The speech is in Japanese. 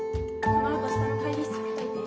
このあと下の会議室空けといて。